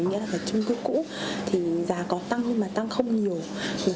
nghĩa là phải trung cư cũ thì giá có tăng nhưng mà tăng không nhiều